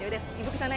yaudah ibu kesana ya